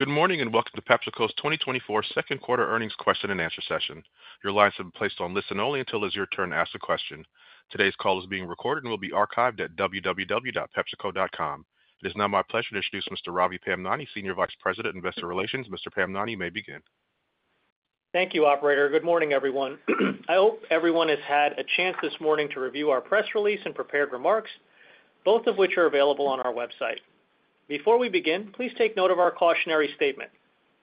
Good morning, and welcome to PepsiCo's 2024 second quarter earnings question and answer session. Your lines have been placed on listen only until it is your turn to ask a question. Today's call is being recorded and will be archived at www.pepsico.com. It is now my pleasure to introduce Mr. Ravi Pamnani, Senior Vice President, Investor Relations. Mr. Pamnani, you may begin. Thank you, operator. Good morning, everyone. I hope everyone has had a chance this morning to review our press release and prepared remarks, both of which are available on our website. Before we begin, please take note of our cautionary statement.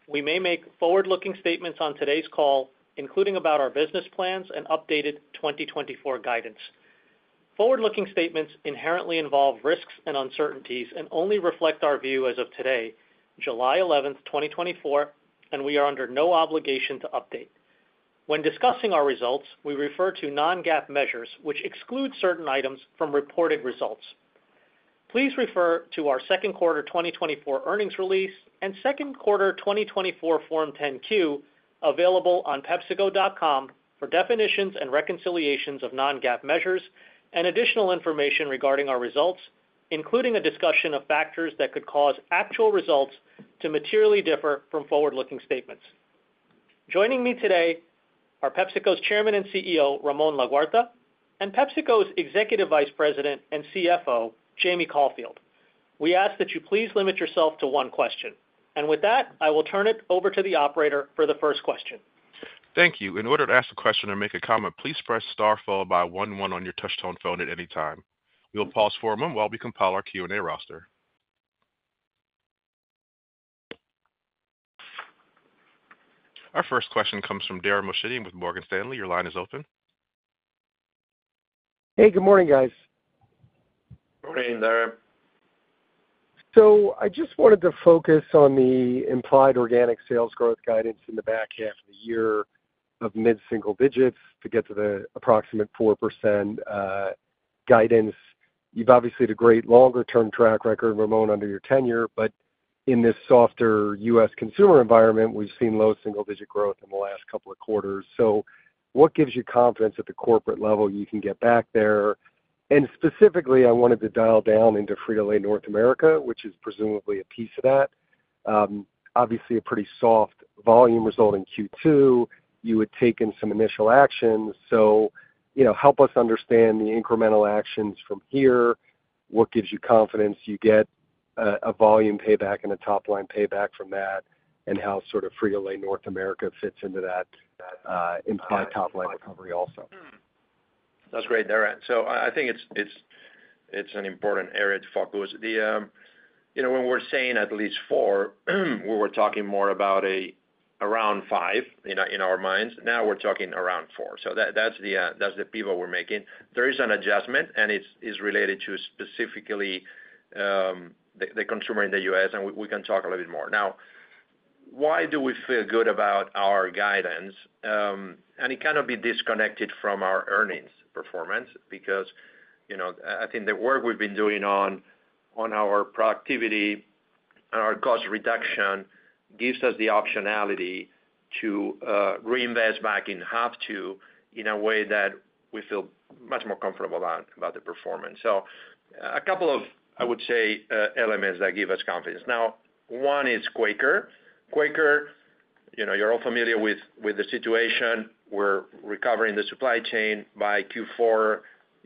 We may make forward-looking statements on today's call, including about our business plans and updated 2024 guidance. Forward-looking statements inherently involve risks and uncertainties and only reflect our view as of today, July 11, 2024, and we are under no obligation to update. When discussing our results, we refer to non-GAAP measures, which exclude certain items from reported results. Please refer to our second quarter 2024 earnings release and second quarter 2024 Form 10-Q, available on pepsico.com, for definitions and reconciliations of non-GAAP measures and additional information regarding our results, including a discussion of factors that could cause actual results to materially differ from forward-looking statements. Joining me today are PepsiCo's Chairman and CEO, Ramon Laguarta, and PepsiCo's Executive Vice President and CFO, Jamie Caulfield. We ask that you please limit yourself to one question, and with that, I will turn it over to the operator for the first question. Thank you. In order to ask a question or make a comment, please press star followed by one one on your touchtone phone at any time. We will pause for a moment while we compile our Q&A roster. Our first question comes from Dara Mohsenian with Morgan Stanley. Your line is open. Hey, good morning, guys. Morning, Dara. I just wanted to focus on the implied organic sales growth guidance in the back half of the year of mid-single digits to get to the approximate 4% guidance. You've obviously had a great longer-term track record, Ramon, under your tenure, but in this softer U.S. consumer environment, we've seen low single-digit growth in the last couple of quarters. So what gives you confidence at the corporate level you can get back there? And specifically, I wanted to dial down into Frito-Lay North America, which is presumably a piece of that. Obviously, a pretty soft volume result in Q2. You had taken some initial actions, so, you know, help us understand the incremental actions from here. What gives you confidence you get a volume payback and a top-line payback from that, and how sort of Frito-Lay North America fits into that implied top-line recovery also? That's great, Dara. So I think it's an important area to focus. You know, when we're saying at least four, we were talking more about around five in our minds. Now we're talking around four. So that's the pivot we're making. There is an adjustment, and it's related to specifically the consumer in the U.S., and we can talk a little bit more. Now, why do we feel good about our guidance? And it cannot be disconnected from our earnings performance because, you know, I think the work we've been doing on our productivity and our cost reduction gives us the optionality to reinvest back in half two in a way that we feel much more comfortable about the performance. So a couple of, I would say, elements that give us confidence. Now, one is Quaker. Quaker, you know, you're all familiar with the situation. We're recovering the supply chain. By Q4,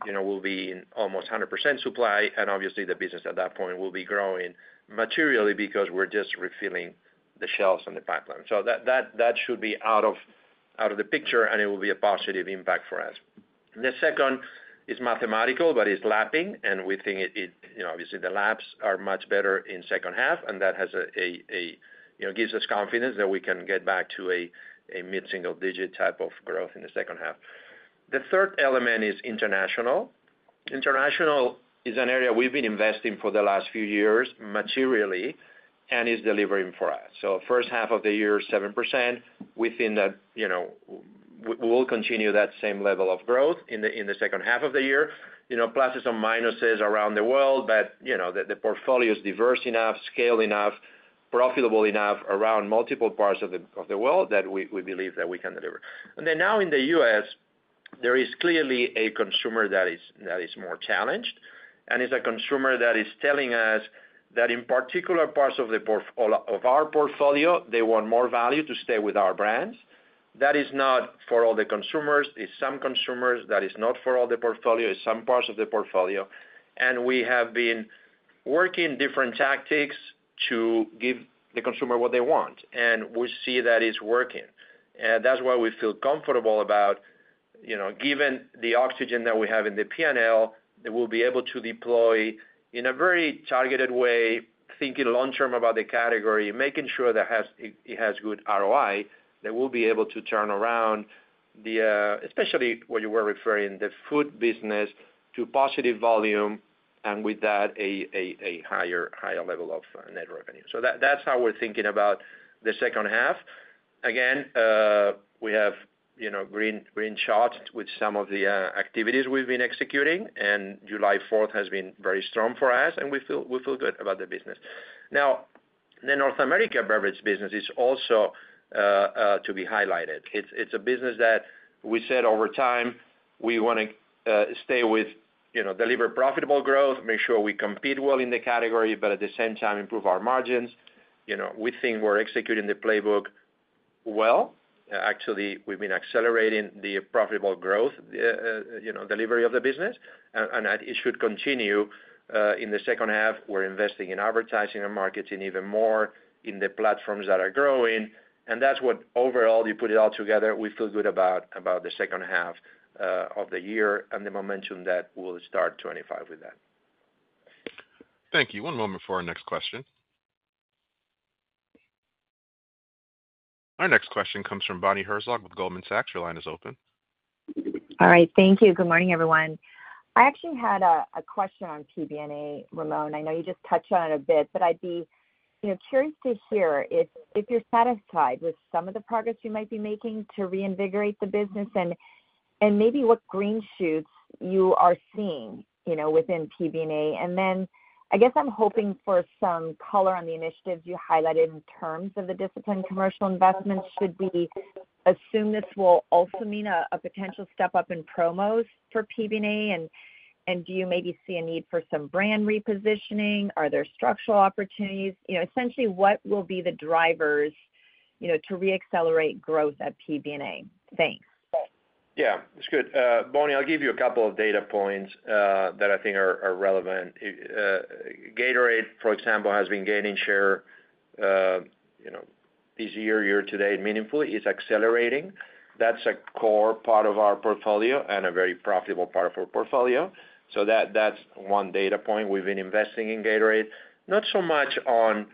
you know, we'll be in almost 100% supply, and obviously, the business at that point will be growing materially because we're just refilling the shelves and the pipeline. So that should be out of the picture, and it will be a positive impact for us. The second is mathematical, but it's lapping, and we think it. You know, obviously, the laps are much better in second half, and that has a, you know, gives us confidence that we can get back to a mid-single-digit type of growth in the second half. The third element is international. International is an area we've been investing for the last few years materially and is delivering for us. So first half of the year, 7% within that, you know, we will continue that same level of growth in the second half of the year. You know, pluses or minuses around the world, but, you know, the portfolio is diverse enough, scaled enough, profitable enough around multiple parts of the world that we believe that we can deliver. And then now in the U.S., there is clearly a consumer that is more challenged, and it's a consumer that is telling us that in particular parts of the portfolio, they want more value to stay with our brands. That is not for all the consumers. It's some consumers. That is not for all the portfolio. It's some parts of the portfolio, and we have been working different tactics to give the consumer what they want, and we see that it's working. And that's why we feel comfortable about, you know, given the oxygen that we have in the P&L, that we'll be able to deploy in a very targeted way, thinking long term about the category, making sure that it has good ROI, that we'll be able to turn around the, especially what you were referring, the food business, to positive volume, and with that, a higher level of net revenue. So that's how we're thinking about the second half. Again, we have, you know, green shoots with some of the activities we've been executing, and July Fourth has been very strong for us, and we feel good about the business. Now, the North America beverage business is also to be highlighted. It's a business that we said over time, we want to you know, deliver profitable growth, make sure we compete well in the category, but at the same time, improve our margins. You know, we think we're executing the playbook well. Actually, we've been accelerating the profitable growth, you know, delivery of the business, and it should continue in the second half. We're investing in advertising and marketing even more in the platforms that are growing, and that's what, overall, you put it all together, we feel good about the second half of the year and the momentum that we'll start 2025 with that. Thank you. One moment for our next question. Our next question comes from Bonnie Herzog with Goldman Sachs. Your line is open. All right, thank you. Good morning, everyone. I actually had a question on PBNA, Ramon. I know you just touched on it a bit, but I'd be, you know, curious to hear if you're satisfied with some of the progress you might be making to reinvigorate the business and maybe what green shoots you are seeing, you know, within PBNA? And then, I guess I'm hoping for some color on the initiatives you highlighted in terms of the disciplined commercial investments. Should we assume this will also mean a potential step up in promos for PBNA? And do you maybe see a need for some brand repositioning? Are there structural opportunities? You know, essentially, what will be the drivers, you know, to reaccelerate growth at PBNA? Thanks. Yeah, it's good. Bonnie, I'll give you a couple of data points that I think are relevant. Gatorade, for example, has been gaining share, you know, this year, year to date, meaningfully. It's accelerating. That's a core part of our portfolio and a very profitable part of our portfolio. So that's one data point. We've been investing in Gatorade, not so much on,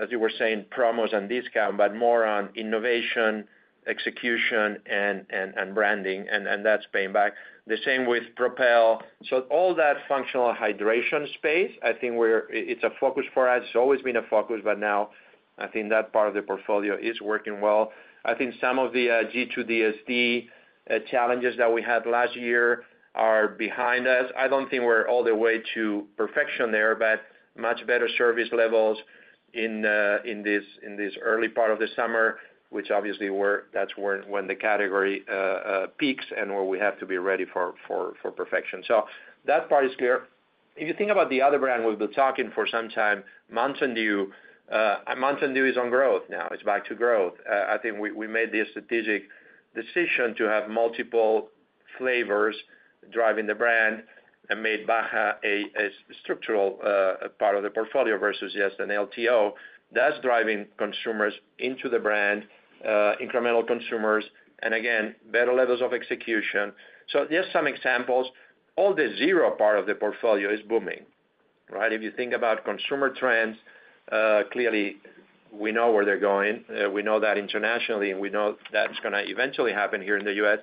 as you were saying, promos and discount, but more on innovation, execution, and branding, and that's paying back. The same with Propel. So all that functional hydration space, I think we're it's a focus for us. It's always been a focus, but now I think that part of the portfolio is working well. I think some of the G2DSD challenges that we had last year are behind us. I don't think we're all the way to perfection there, but much better service levels in this early part of the summer, which obviously we're. That's where the category peaks and where we have to be ready for perfection. So that part is clear. If you think about the other brand we've been talking for some time, Mountain Dew, Mountain Dew is on growth now. It's back to growth. I think we made the strategic decision to have multiple flavors driving the brand and made Baja a structural part of the portfolio versus, yes, an LTO. That's driving consumers into the brand, incremental consumers, and again, better levels of execution. So just some examples. All the Zero part of the portfolio is booming, right? If you think about consumer trends, clearly, we know where they're going. We know that internationally, and we know that's gonna eventually happen here in the U.S.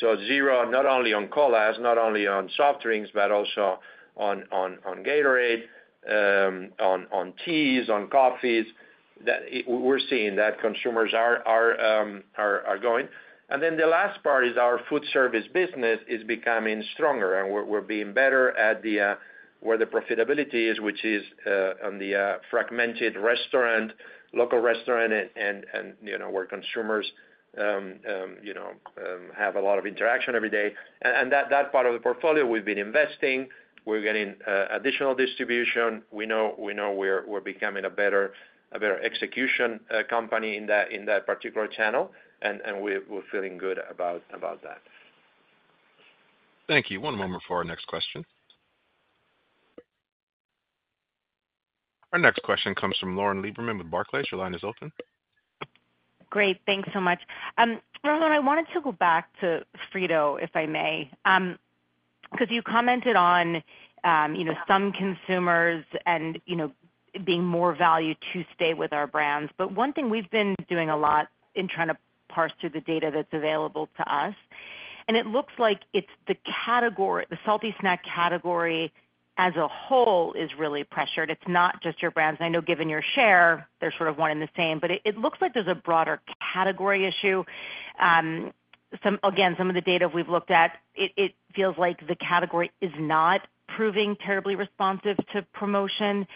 So Zero, not only on colas, not only on soft drinks, but also on Gatorade, on teas, on coffees, that we're seeing that consumers are going. And then the last part is our foodservice business is becoming stronger, and we're being better at where the profitability is, which is on the fragmented restaurant, local restaurant, and you know, have a lot of interaction every day. And that part of the portfolio we've been investing. We're getting additional distribution. We know we're becoming a better execution company in that particular channel, and we're feeling good about that. Thank you. One moment for our next question. Our next question comes from Lauren Lieberman with Barclays. Your line is open. Great. Thanks so much. Ramon, I wanted to go back to Frito, if I may, because you commented on, you know, some consumers and, you know, being more value to stay with our brands. But one thing we've been doing a lot in trying to parse through the data that's available to us, and it looks like it's the category, the salty snack category as a whole is really pressured. It's not just your brands. I know, given your share, they're sort of one and the same, but it looks like there's a broader category issue. Again, some of the data we've looked at, it feels like the category is not proving terribly responsive to promotion.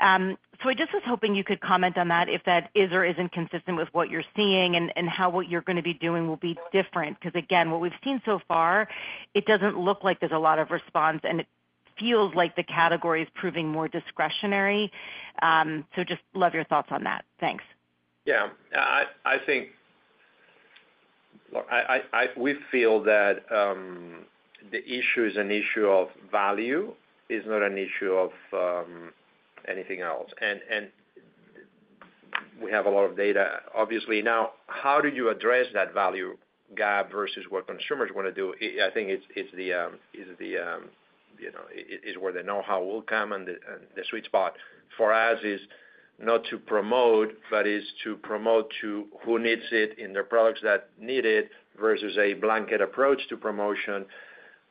So I just was hoping you could comment on that, if that is or isn't consistent with what you're seeing, and how what you're gonna be doing will be different. Because, again, what we've seen so far, it doesn't look like there's a lot of response, and it feels like the category is proving more discretionary. So just love your thoughts on that. Thanks. Yeah, I think, look, we feel that the issue is an issue of value. It's not an issue of anything else, and we have a lot of data, obviously. Now, how do you address that value gap versus what consumers wanna do? I think it's the, you know, it's where the know-how will come, and the sweet spot for us is not to promote, but is to promote to who needs it in the products that need it, versus a blanket approach to promotion.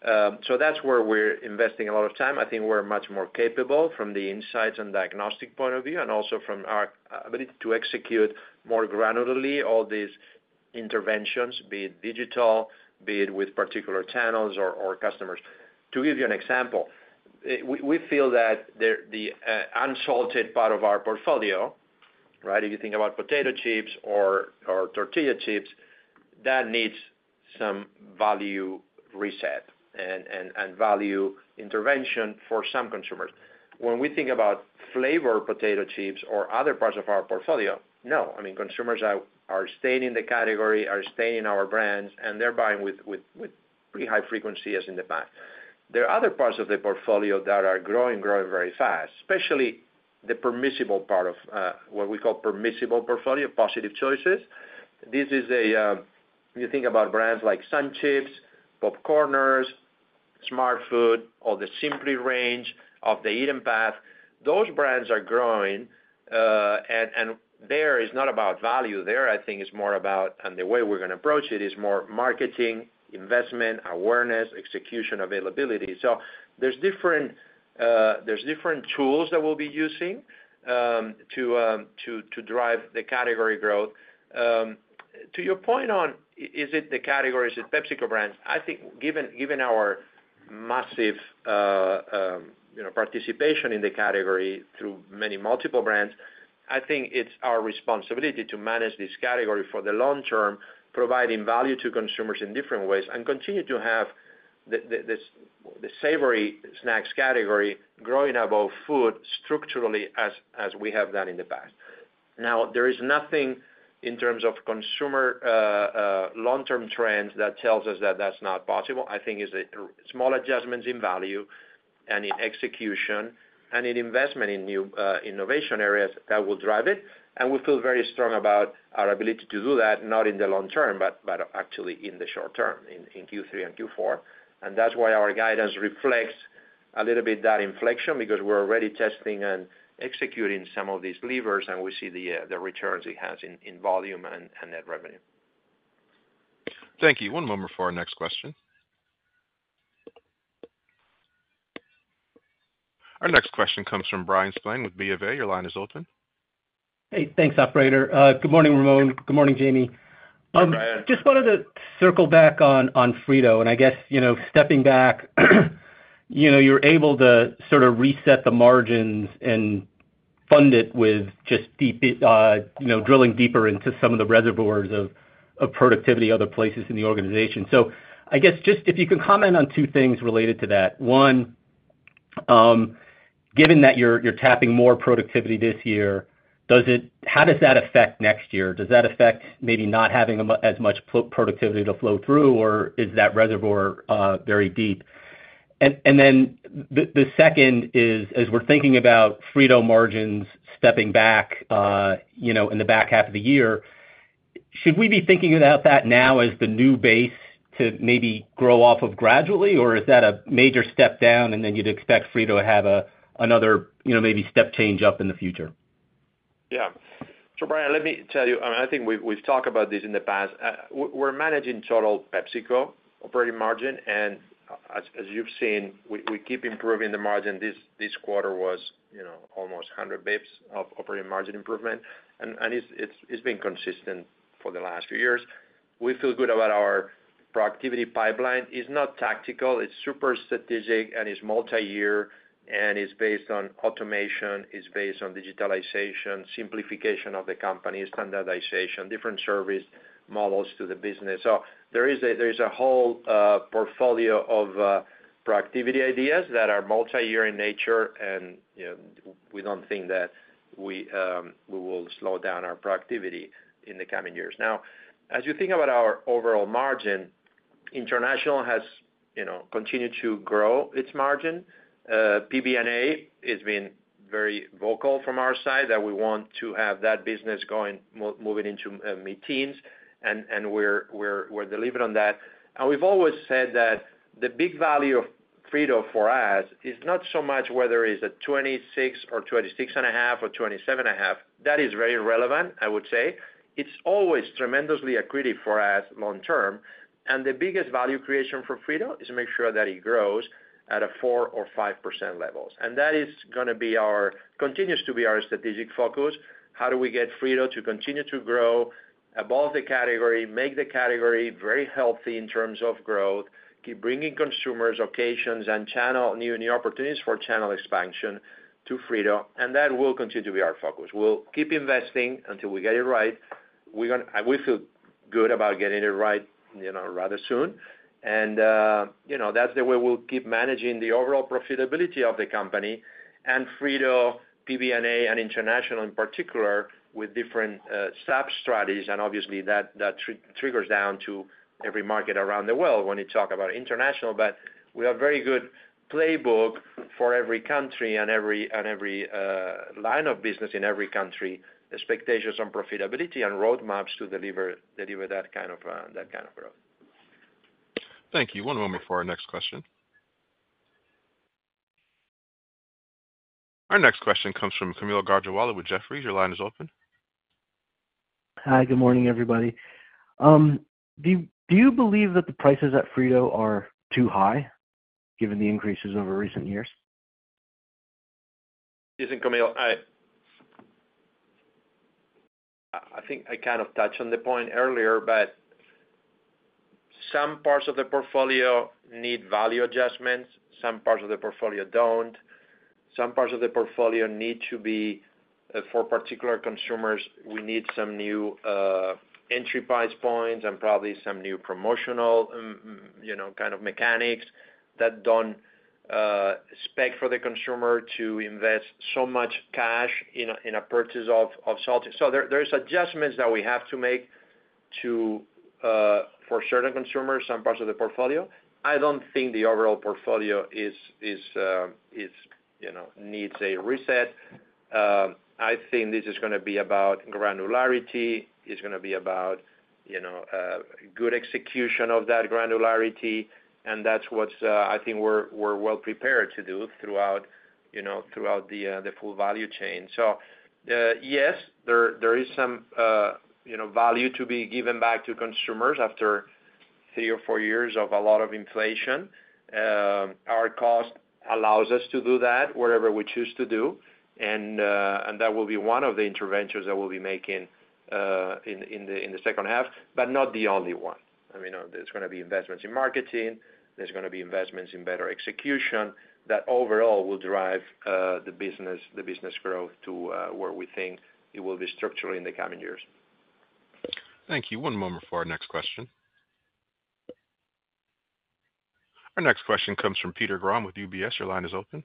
So that's where we're investing a lot of time. I think we're much more capable from the insights and diagnostic point of view, and also from our ability to execute more granularly all these interventions, be it digital, be it with particular channels or customers. To give you an example, we feel that the unsalted part of our portfolio, right? If you think about potato chips or tortilla chips, that needs some value reset and value intervention for some consumers. When we think about flavor potato chips or other parts of our portfolio, no, I mean, consumers are staying in the category, are staying in our brands, and they're buying with pretty high frequency as in the past. There are other parts of the portfolio that are growing very fast, especially the permissible part of what we call permissible portfolio, positive choices. This is, you think about brands like SunChips, PopCorners, Smartfood, or the Simply range, Off the Eaten Path. Those brands are growing, and there, it's not about value. There, I think it's more about, and the way we're gonna approach it, is more marketing, investment, awareness, execution, availability. So there's different tools that we'll be using to drive the category growth. To your point on, is it the categories of PepsiCo brands? I think given our massive, you know, participation in the category through many multiple brands, I think it's our responsibility to manage this category for the long term, providing value to consumers in different ways, and continue to have the savory snacks category growing above food structurally as we have done in the past. Now, there is nothing in terms of consumer long-term trends that tells us that that's not possible. I think it's small adjustments in value and in execution and in investment in new innovation areas that will drive it. And we feel very strong about our ability to do that, not in the long term, but actually in the short term, in Q3 and Q4. And that's why our guidance reflects a little bit that inflection, because we're already testing and executing some of these levers, and we see the returns it has in volume and net revenue. Thank you. One moment for our next question. Our next question comes from Bryan Spillane with BofA. Your line is open. Hey, thanks, operator. Good morning, Ramon. Good morning, Jamie. Hi, Bryan. Just wanted to circle back on Frito, and I guess, you know, stepping back, you know, you're able to sort of reset the margins and fund it with just deep, you know, drilling deeper into some of the reservoirs of productivity, other places in the organization. So I guess, just if you could comment on two things related to that. One, given that you're tapping more productivity this year, how does that affect next year? Does that affect maybe not having as much productivity to flow through, or is that reservoir very deep? And then the second is, as we're thinking about Frito margins stepping back, you know, in the back half of the year, should we be thinking about that now as the new base to maybe grow off of gradually, or is that a major step down, and then you'd expect Frito to have another, you know, maybe step change up in the future? Yeah. So Bryan, let me tell you, I mean, I think we've, we've talked about this in the past. We're managing total PepsiCo operating margin, and as, as you've seen, we, we keep improving the margin. This, this quarter was, you know, almost 100 basis points of operating margin improvement, and, and it's, it's, it's been consistent for the last few years. We feel good about our productivity pipeline. It's not tactical, it's super strategic, and it's multi-year, and it's based on automation, it's based on digitalization, simplification of the company, standardization, different service models to the business. So there is a, there's a whole, portfolio of, productivity ideas that are multi-year in nature, and, you know, we don't think that we, we will slow down our productivity in the coming years. Now, as you think about our overall margin, international has, you know, continued to grow its margin. PBNA has been very vocal from our side that we want to have that business going moving into mid-teens, and we're delivering on that. And we've always said that the big value of Frito for us is not so much whether it's a 26 or 26.5 or 27.5. That is very relevant, I would say. It's always tremendously accretive for us long term, and the biggest value creation for Frito is to make sure that it grows at a 4% or 5% levels. And that continues to be our strategic focus. How do we get Frito to continue to grow above the category, make the category very healthy in terms of growth, keep bringing consumers, occasions, and channel, new, new opportunities for channel expansion to Frito? And that will continue to be our focus. We'll keep investing until we get it right. We're gonna, and we feel good about getting it right, you know, rather soon. And, you know, that's the way we'll keep managing the overall profitability of the company and Frito, PBNA, and international in particular, with different, sub-strategies, and obviously, that triggers down to every market around the world when you talk about international. But we have very good playbook for every country and every line of business in every country, expectations on profitability and roadmaps to deliver that kind of growth. Thank you. One moment for our next question. Our next question comes from Kaumil Gajrawala with Jefferies. Your line is open. Hi, good morning, everybody. Do you believe that the prices at Frito are too high, given the increases over recent years? Listen, Kaumil, I think I kind of touched on the point earlier, but some parts of the portfolio need value adjustments, some parts of the portfolio don't. Some parts of the portfolio need to be for particular consumers, we need some new entry price points and probably some new promotional, you know, kind of mechanics that don't spec for the consumer to invest so much cash in a purchase of salt. So there is adjustments that we have to make to for certain consumers, some parts of the portfolio. I don't think the overall portfolio is, you know, needs a reset. I think this is gonna be about granularity. It's gonna be about, you know, good execution of that granularity, and that's what's, I think we're well prepared to do throughout, you know, throughout the full value chain. So, yes, there is some, you know, value to be given back to consumers after three or four years of a lot of inflation. Our cost allows us to do that, whatever we choose to do, and that will be one of the interventions that we'll be making, in the second half, but not the only one. I mean, there's gonna be investments in marketing, there's gonna be investments in better execution, that overall will drive the business growth to, where we think it will be structurally in the coming years. Thank you. One moment for our next question. Our next question comes from Peter Grom with UBS. Your line is open.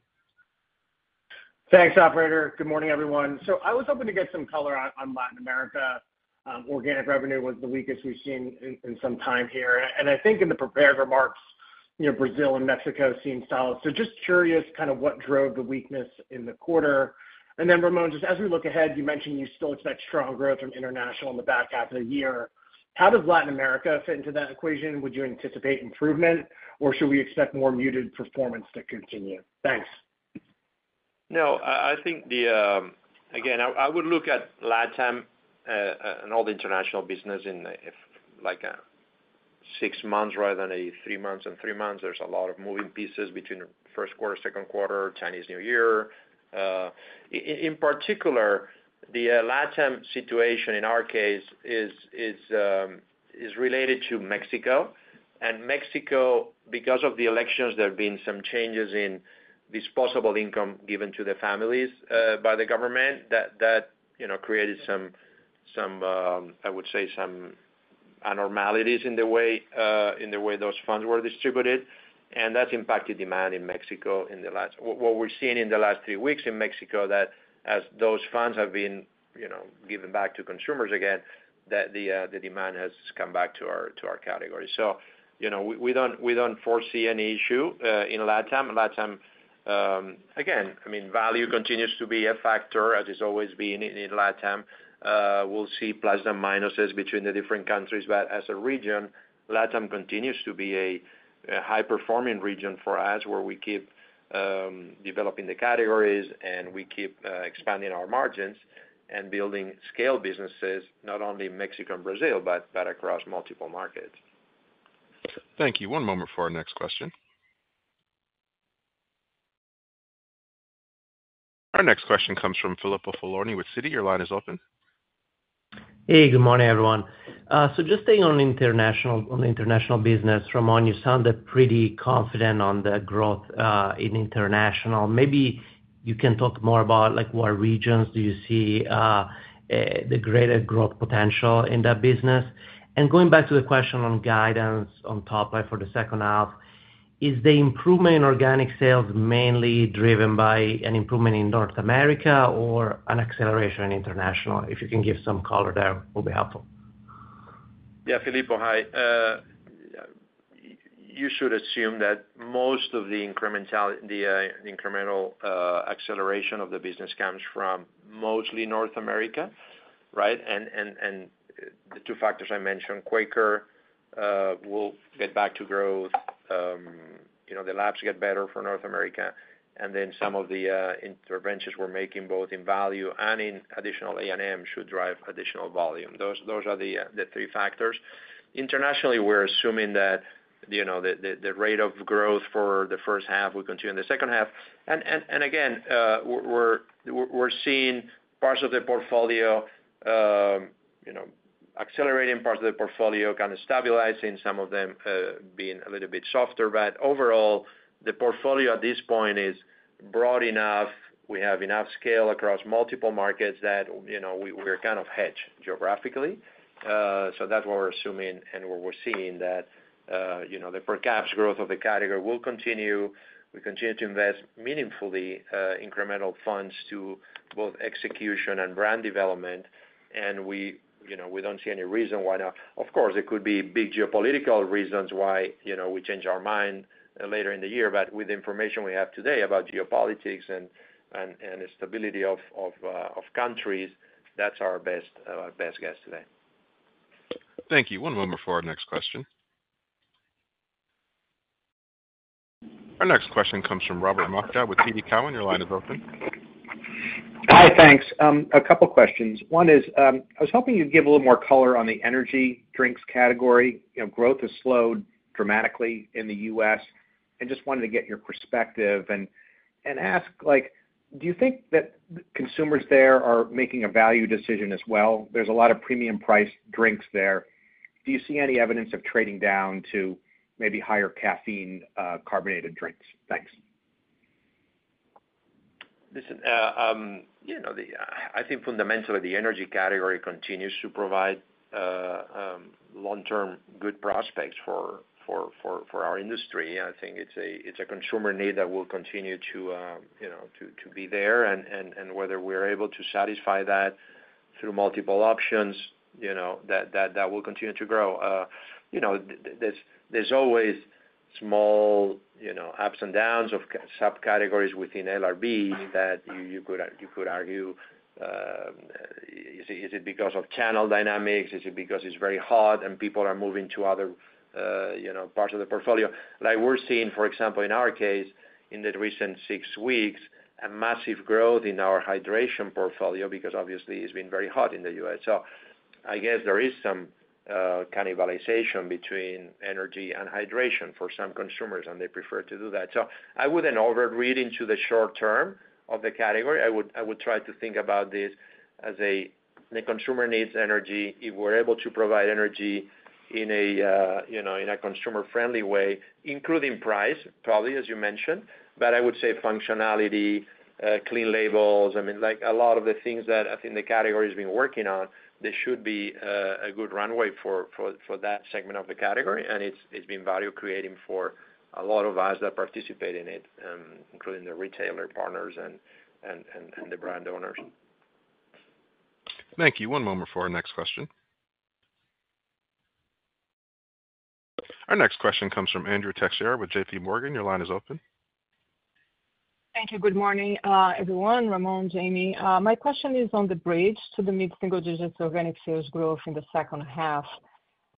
Thanks, operator. Good morning, everyone. So I was hoping to get some color on Latin America. Organic revenue was the weakest we've seen in some time here, and I think in the prepared remarks, you know, Brazil and Mexico seem solid. So just curious kind of what drove the weakness in the quarter. And then, Ramon, just as we look ahead, you mentioned you still expect strong growth from international in the back half of the year. How does Latin America fit into that equation? Would you anticipate improvement, or should we expect more muted performance to continue? Thanks. No, I think, again, I would look at LatAm and all the international business in if like a six months rather than a three months and three months. There's a lot of moving pieces between the first quarter, second quarter, Chinese New Year. In particular, the LatAm situation in our case is related to Mexico. And Mexico, because of the elections, there have been some changes in disposable income given to the families by the government, that you know created some, I would say, some abnormalities in the way those funds were distributed, and that's impacted demand in Mexico in the last... What we've seen in the last three weeks in Mexico, that as those funds have been, you know, given back to consumers again, that the, the demand has come back to our, to our category. So, you know, we, we don't, we don't foresee any issue, in LatAm. LatAm, again, I mean, value continues to be a factor, as it's always been in, in LatAm. We'll see plus and minuses between the different countries, but as a region, LatAm continues to be a, a high-performing region for us, where we keep, developing the categories and we keep, expanding our margins and building scale businesses, not only in Mexico and Brazil, but, but across multiple markets. Thank you. One moment for our next question. Our next question comes from Filippo Falorni with Citi. Your line is open. Hey, good morning, everyone. So just staying on international, on the international business, Ramon, you sounded pretty confident on the growth in international. Maybe you can talk more about, like, what regions do you see the greater growth potential in that business? And going back to the question on guidance on top line for the second half, is the improvement in organic sales mainly driven by an improvement in North America or an acceleration in international? If you can give some color there, will be helpful. Yeah, Filippo, hi. You should assume that most of the incrementality, the incremental acceleration of the business comes from mostly North America, right? And the two factors I mentioned, Quaker will get back to growth, you know, the laps get better for North America, and then some of the interventions we're making, both in value and in additional A&M, should drive additional volume. Those are the three factors. Internationally, we're assuming that, you know, the rate of growth for the first half will continue in the second half. And again, we're seeing parts of the portfolio, you know, accelerating, parts of the portfolio kind of stabilizing, some of them being a little bit softer. But overall, the portfolio at this point is broad enough. We have enough scale across multiple markets that, you know, we're kind of hedged geographically. So that's what we're assuming and what we're seeing, that, you know, the per caps growth of the category will continue. We continue to invest meaningfully, incremental funds to both execution and brand development, and we, you know, we don't see any reason why not. Of course, there could be big geopolitical reasons why, you know, we change our mind later in the year, but with the information we have today about geopolitics and the stability of countries, that's our best guess today. Thank you. One moment for our next question. Our next question comes from Robert Moskow with TD Cowen. Your line is open. Hi, thanks. A couple questions. One is, I was hoping you'd give a little more color on the energy drinks category. You know, growth has slowed dramatically in the U.S. I just wanted to get your perspective and ask, like, do you think that consumers there are making a value decision as well? There's a lot of premium priced drinks there. Do you see any evidence of trading down to maybe higher caffeine carbonated drinks? Thanks. Listen, you know, I think fundamentally, the energy category continues to provide long-term good prospects for our industry. I think it's a consumer need that will continue to, you know, to be there. And whether we're able to satisfy that through multiple options, you know, that will continue to grow. You know, there's always small, you know, ups and downs of subcategories within LRB that you could argue, is it because of channel dynamics? Is it because it's very hot, and people are moving to other, you know, parts of the portfolio? Like we're seeing, for example, in our case, in the recent six weeks, a massive growth in our hydration portfolio because obviously it's been very hot in the U.S. So I guess there is some cannibalization between energy and hydration for some consumers, and they prefer to do that. So I wouldn't overread into the short term of the category. I would, I would try to think about this as a, the consumer needs energy. If we're able to provide energy in a, you know, in a consumer-friendly way, including price, probably, as you mentioned, but I would say functionality, clean labels. I mean, like, a lot of the things that I think the category has been working on, there should be a good runway for that segment of the category. And it's, it's been value creating for a lot of us that participate in it, including the retailer partners and the brand owners. Thank you. One moment for our next question. Our next question comes from Andrea Teixeira with JPMorgan. Your line is open. Thank you. Good morning, everyone, Ramon, Jamie. My question is on the bridge to the mid-single digits organic sales growth in the second half.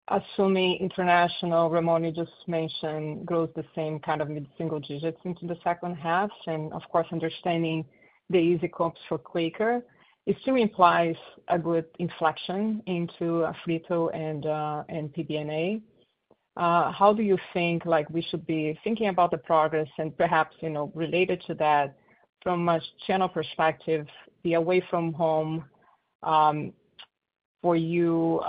Assuming international, Ramon, you just mentioned, grows the same kind of mid-single digits into the second half, and of course, understanding the easy comps for Quaker, it still implies a good inflection into Frito and PBNA. How do you think, like, we should be thinking about the progress and perhaps, you know, related to that from a channel perspective, the away from home for you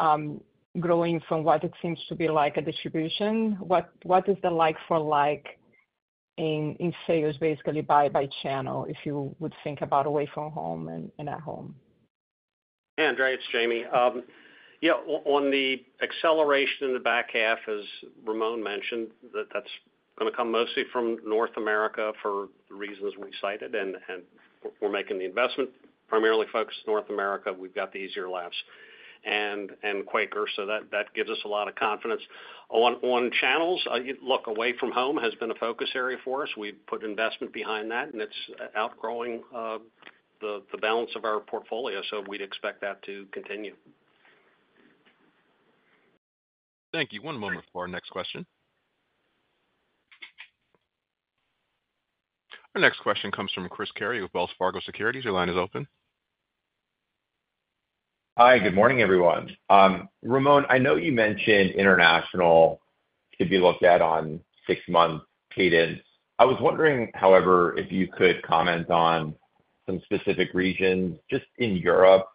growing from what it seems to be like a distribution, what is the like for like in sales, basically by channel, if you would think about away from home and at home? Hey, Andrea, it's Jamie. Yeah, on the acceleration in the back half, as Ramon mentioned, that's gonna come mostly from North America for the reasons we cited, and we're making the investment primarily focused in North America. We've got the easier laps and Quaker, so that gives us a lot of confidence. On channels, look, away from home has been a focus area for us. We've put investment behind that, and it's outgrowing the balance of our portfolio, so we'd expect that to continue. Thank you. One moment for our next question. Our next question comes from Chris Carey with Wells Fargo Securities. Your line is open. Hi, good morning, everyone. Ramon, I know you mentioned international to be looked at on six-month cadence. I was wondering, however, if you could comment on some specific regions, just in Europe,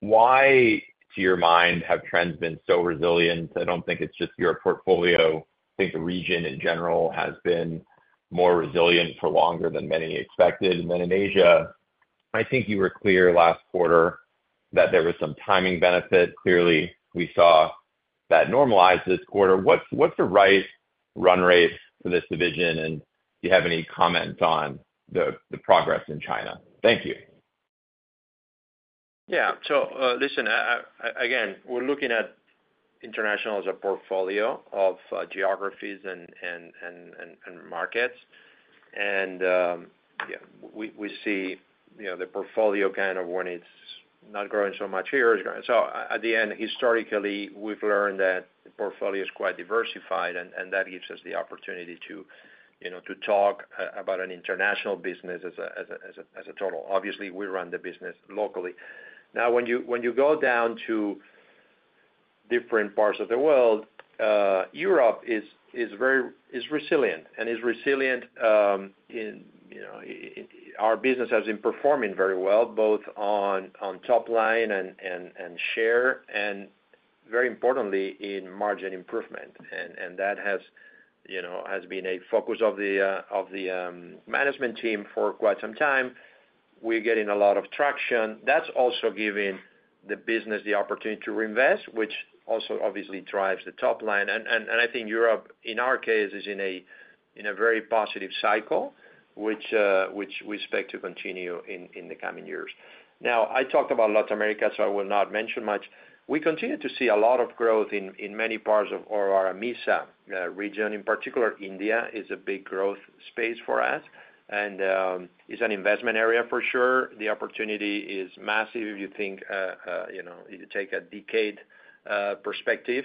why, to your mind, have trends been so resilient? I don't think it's just your portfolio. I think the region, in general, has been more resilient for longer than many expected. And then in Asia, I think you were clear last quarter that there was some timing benefit. Clearly, we saw that normalize this quarter. What's the right run rate for this division? And do you have any comments on the progress in China? Thank you. Yeah. So, listen, again, we're looking at international as a portfolio of geographies and markets. And, yeah, we see, you know, the portfolio kind of when it's not growing so much here, it's growing. So at the end, historically, we've learned that the portfolio is quite diversified, and that gives us the opportunity to, you know, to talk about an international business as a total. Obviously, we run the business locally. Now, when you go down to different parts of the world, Europe is very resilient and is resilient, you know, our business has been performing very well, both on top line and share, and very importantly, in margin improvement. And that has, you know, has been a focus of the management team for quite some time. We're getting a lot of traction. That's also giving the business the opportunity to reinvest, which also obviously drives the top line. And I think Europe, in our case, is in a very positive cycle, which we expect to continue in the coming years. Now, I talked about Latin America, so I will not mention much. We continue to see a lot of growth in many parts of our AMESA region. In particular, India is a big growth space for us and is an investment area for sure. The opportunity is massive if you think, you know, if you take a decade perspective,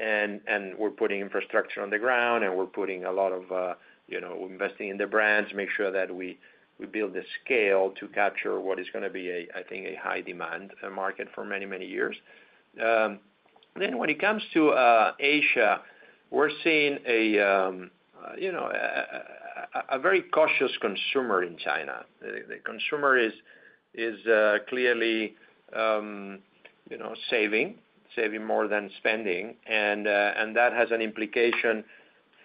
and we're putting infrastructure on the ground, and we're putting a lot of, you know, investing in the brands to make sure that we build the scale to capture what is gonna be a, I think, a high demand market for many, many years. And then when it comes to Asia, we're seeing a, you know, a very cautious consumer in China. The consumer is clearly, you know, saving more than spending, and that has an implication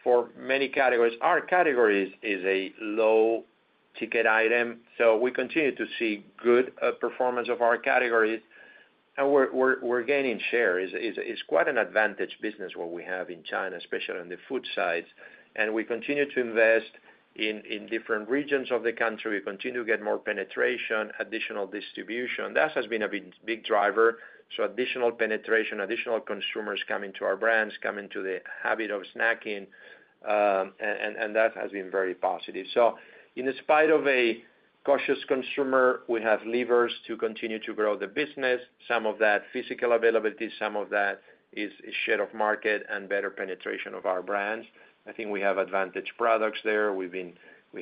for many categories. Our categories is a low ticket item, so we continue to see good performance of our categories, and we're gaining share. It's quite an advantage business what we have in China, especially on the food side, and we continue to invest in different regions of the country. We continue to get more penetration, additional distribution. That has been a big, big driver. So additional penetration, additional consumers coming to our brands, coming to the habit of snacking, and that has been very positive. So in spite of a cautious consumer, we have levers to continue to grow the business. Some of that physical availability, some of that is share of market and better penetration of our brands. I think we have advantage products there. We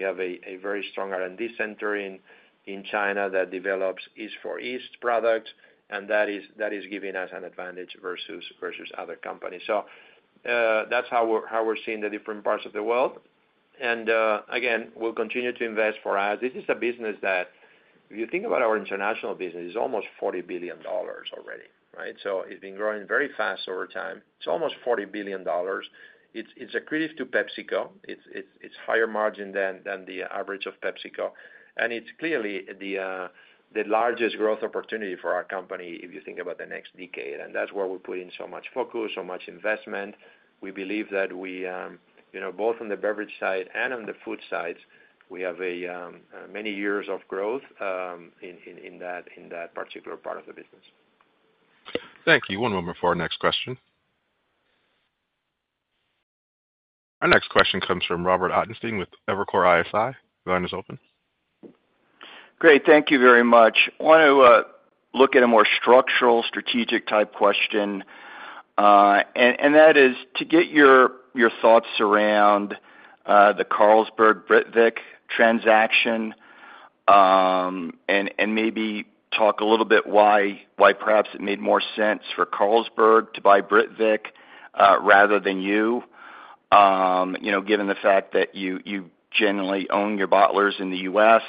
have a very strong R&D center in China that develops East for East products, and that is giving us an advantage versus other companies. So, that's how we're seeing the different parts of the world. And, again, we'll continue to invest. For us, this is a business that if you think about our international business, it's almost $40 billion already, right? So it's been growing very fast over time. It's almost $40 billion. It's accretive to PepsiCo. It's higher margin than the average of PepsiCo, and it's clearly the largest growth opportunity for our company if you think about the next decade. And that's where we're putting so much focus, so much investment. We believe that we, you know, both on the beverage side and on the food side, we have many years of growth in that particular part of the business. Thank you. One moment for our next question. Our next question comes from Robert Ottenstein with Evercore ISI. Your line is open. Great. Thank you very much. I want to look at a more structural, strategic type question, and that is to get your thoughts around the Carlsberg-Britvic transaction, and maybe talk a little bit why perhaps it made more sense for Carlsberg to buy Britvic rather than you. You know, given the fact that you generally own your bottlers in the U.S.,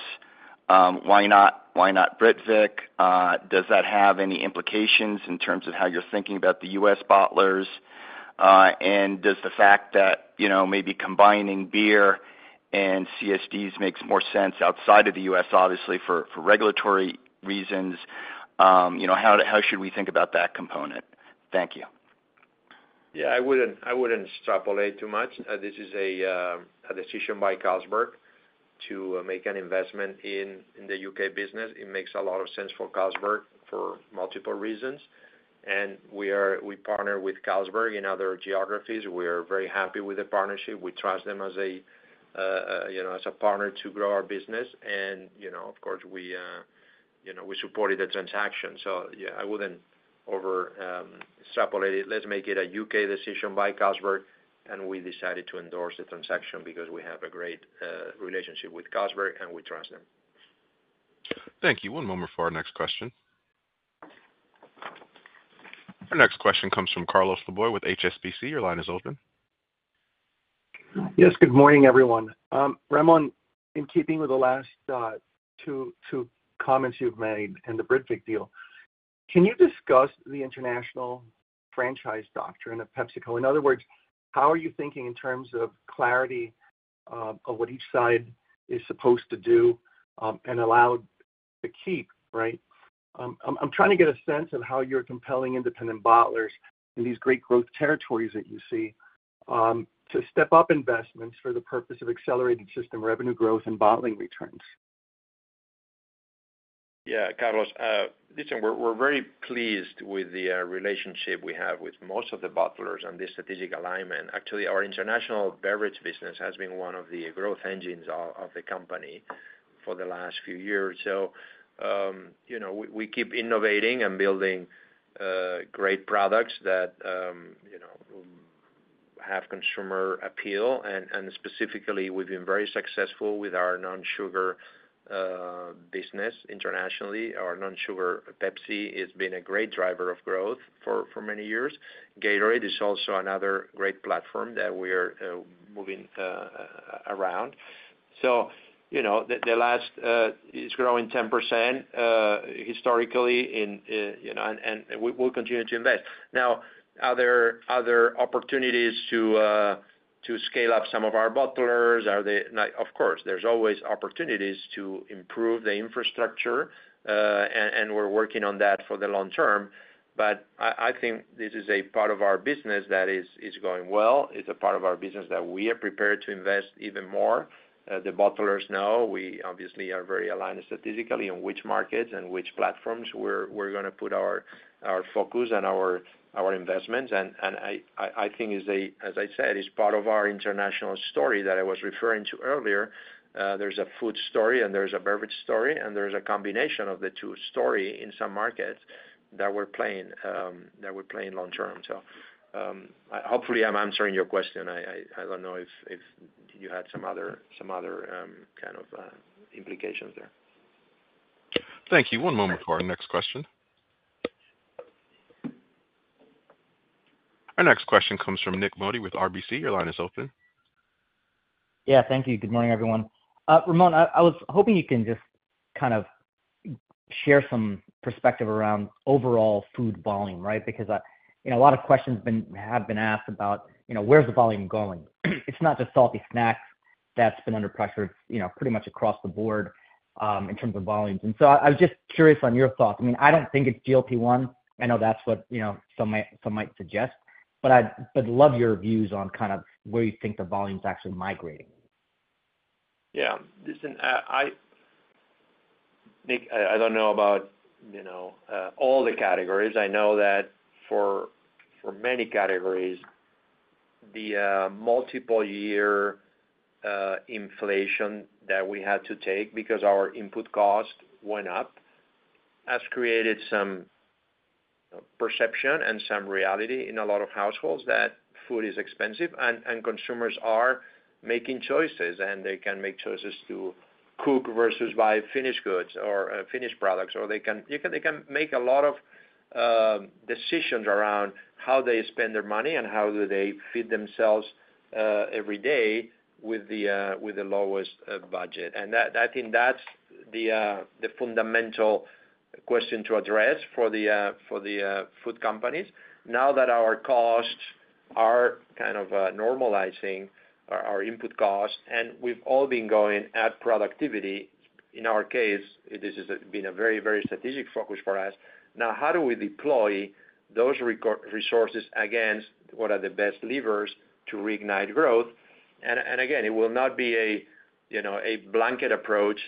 why not Britvic? And does that have any implications in terms of how you're thinking about the U.S. bottlers? And does the fact that, you know, maybe combining beer and CSDs makes more sense outside of the U.S., obviously for regulatory reasons, you know, how should we think about that component? Thank you. Yeah, I wouldn't extrapolate too much. This is a decision by Carlsberg to make an investment in the UK business. It makes a lot of sense for Carlsberg for multiple reasons, and we partner with Carlsberg in other geographies. We are very happy with the partnership. We trust them as a, you know, as a partner to grow our business, and, you know, of course, we, you know, we supported the transaction. So, yeah, I wouldn't over extrapolate it. Let's make it a UK decision by Carlsberg, and we decided to endorse the transaction because we have a great relationship with Carlsberg, and we trust them. Thank you. One moment for our next question. Our next question comes from Carlos Laboy with HSBC. Your line is open. Yes, good morning, everyone. Ramon, in keeping with the last two comments you've made in the Britvic deal, can you discuss the international franchise doctrine of PepsiCo? In other words, how are you thinking in terms of clarity of what each side is supposed to do and allowed to keep, right? I'm trying to get a sense of how you're compelling independent bottlers in these great growth territories that you see to step up investments for the purpose of accelerating system revenue growth and bottling returns. Yeah, Carlos, listen, we're very pleased with the relationship we have with most of the bottlers on this strategic alignment. Actually, our international beverage business has been one of the growth engines of the company for the last few years. So, you know, we keep innovating and building great products that you know, have consumer appeal, and specifically, we've been very successful with our non-sugar business internationally. Our non-sugar Pepsi has been a great driver of growth for many years. Gatorade is also another great platform that we are moving around. So, you know, the last is growing 10% historically in you know, and we will continue to invest. Now, are there other opportunities to scale up some of our bottlers? Are they... Like, of course, there's always opportunities to improve the infrastructure, and we're working on that for the long term. But I think this is a part of our business that is going well. It's a part of our business that we are prepared to invest even more. The bottlers know we obviously are very aligned statistically in which markets and which platforms we're gonna put our focus and our investments. And I think as I said, it's part of our international story that I was referring to earlier. There's a food story, and there's a beverage story, and there's a combination of the two story in some markets that we're playing long term. So, hopefully, I'm answering your question. I don't know if you had some other kind of implications there.... Thank you. One moment for our next question. Our next question comes from Nik Modi with RBC. Your line is open. Yeah, thank you. Good morning, everyone. Ramon, I was hoping you can just kind of share some perspective around overall food volume, right? Because, you know, a lot of questions have been asked about, you know, where's the volume going? It's not just salty snacks that's been under pressure, you know, pretty much across the board, in terms of volumes. And so I was just curious on your thoughts. I mean, I don't think it's GLP-1. I know that's what, you know, some might suggest, but I'd would love your views on kind of where you think the volume's actually migrating. Yeah, listen, I, Nik, I don't know about, you know, all the categories. I know that for many categories, the multiple year inflation that we had to take because our input cost went up has created some perception and some reality in a lot of households that food is expensive and consumers are making choices, and they can make choices to cook versus buy finished goods or finished products, or they can make a lot of decisions around how they spend their money and how do they feed themselves every day with the lowest budget. And that, I think, that's the fundamental question to address for the food companies. Now that our costs are kind of normalizing, our input costs, and we've all been going at productivity, in our case, this has been a very, very strategic focus for us. Now, how do we deploy those resources against what are the best levers to reignite growth? And again, it will not be a, you know, a blanket approach.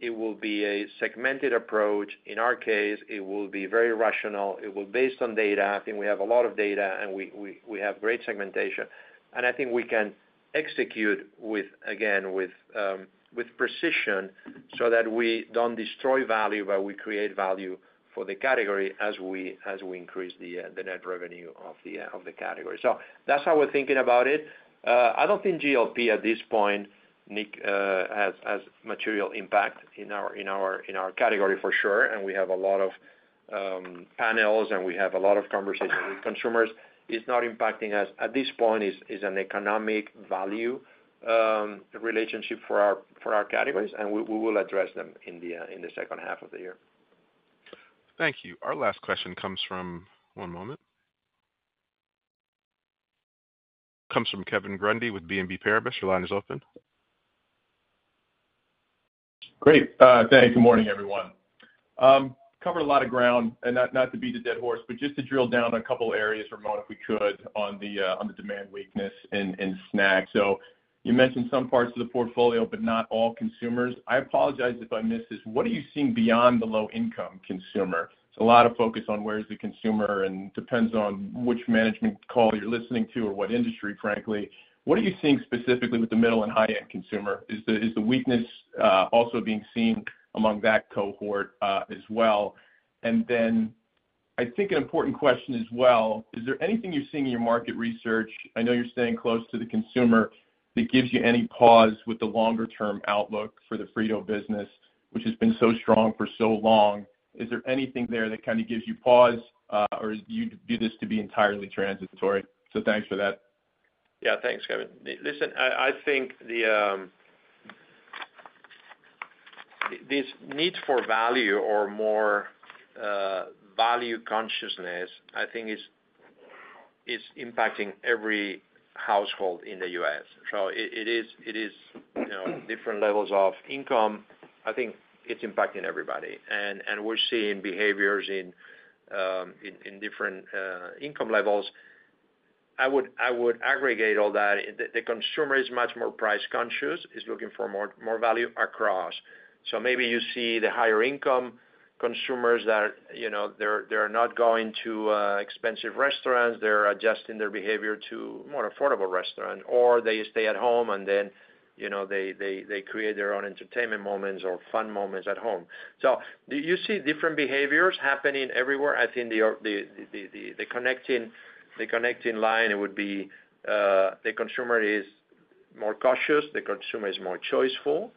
It will be a segmented approach. In our case, it will be very rational. It will based on data. I think we have a lot of data, and we, we, we have great segmentation. And I think we can execute with, again, with precision so that we don't destroy value, but we create value for the category as we, as we increase the net revenue of the category. So that's how we're thinking about it. I don't think GLP at this point, Nik, has material impact in our category, for sure. We have a lot of panels, and we have a lot of conversations with consumers. It's not impacting us. At this point, it's an economic value relationship for our categories, and we will address them in the second half of the year. Thank you. Our last question comes from... One moment. Comes from Kevin Grundy with BNP Paribas. Your line is open. Great, thanks. Good morning, everyone. Covered a lot of ground, and not to beat a dead horse, but just to drill down on a couple of areas, Ramon, if we could, on the demand weakness in snacks. So you mentioned some parts of the portfolio, but not all consumers. I apologize if I missed this. What are you seeing beyond the low-income consumer? It's a lot of focus on where is the consumer, and depends on which management call you're listening to or what industry, frankly. What are you seeing specifically with the middle and high-end consumer? Is the weakness also being seen among that cohort, as well? And then, I think an important question as well, is there anything you're seeing in your market research, I know you're staying close to the consumer, that gives you any pause with the longer-term outlook for the Frito business, which has been so strong for so long? Is there anything there that kinda gives you pause, or you view this to be entirely transitory? So thanks for that. Yeah, thanks, Kevin. Listen, I think this need for value or more value consciousness, I think is impacting every household in the US. So it is, you know, different levels of income. I think it's impacting everybody. And we're seeing behaviors in different income levels. I would aggregate all that. The consumer is much more price conscious, is looking for more value across. So maybe you see the higher income consumers that, you know, they're not going to expensive restaurants. They're adjusting their behavior to more affordable restaurant, or they stay at home, and then, you know, they create their own entertainment moments or fun moments at home. So do you see different behaviors happening everywhere? I think the connecting line it would be, the consumer is more cautious, the consumer is more choiceful,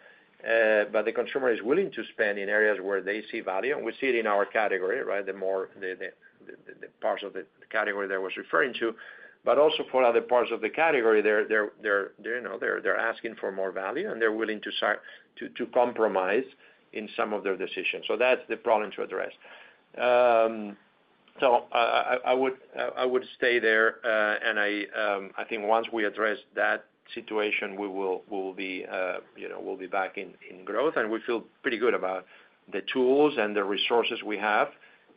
but the consumer is willing to spend in areas where they see value, and we see it in our category, right? The more, the parts of the category that I was referring to. But also for other parts of the category, you know, they're asking for more value, and they're willing to start to compromise in some of their decisions. So that's the problem to address. So I would stay there, and I think once we address that situation, we will be, you know, we'll be back in growth. We feel pretty good about the tools and the resources we have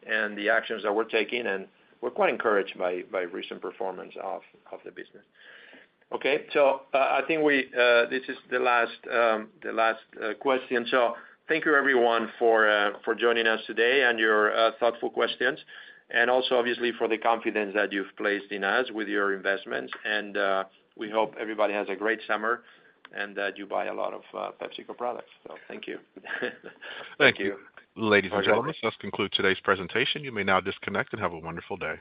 and the actions that we're taking, and we're quite encouraged by recent performance of the business. Okay, so I think this is the last question. So thank you everyone for joining us today and your thoughtful questions, and also obviously, for the confidence that you've placed in us with your investments. And we hope everybody has a great summer, and that you buy a lot of PepsiCo products. So thank you. Thank you. Ladies and gentlemen, this concludes today's presentation. You may now disconnect and have a wonderful day.